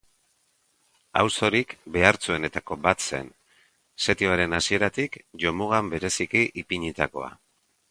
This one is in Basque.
Auzorik behartsuenetako bat zen, setioaren hasieratik jomugan bereziki ipinitakoa.